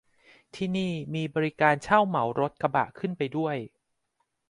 ที่นี่มีบริการเช่าเหมารถกระบะขึ้นไปด้วย